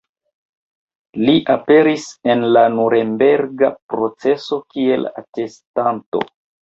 Li aperis en la Nurenberga proceso kiel atestanto.